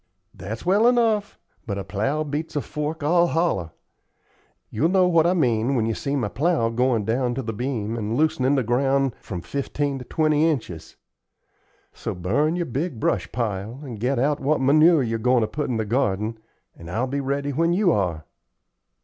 "That's well enough, but a plow beats a fork all hollow. You'll know what I mean when you see my plow going down to the beam and loosenin' the ground from fifteen to twenty inches. So burn your big brush pile, and get out what manure you're goin' to put in the garden, and I'll be ready when you are."